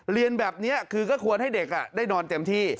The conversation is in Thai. เรียนแบบนี้คือก็ควรให้เด็กได้นอนเต็มที่